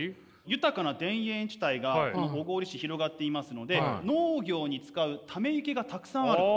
豊かな田園地帯が小郡市広がっていますので農業に使うため池がたくさんある。